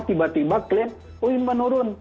tiba tiba klip oh ini menurun